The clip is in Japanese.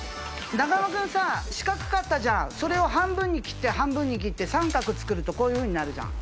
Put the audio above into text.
中間君さ四角かったじゃんそれを半分に切って半分に切って三角作るとこういうふうになるじゃん？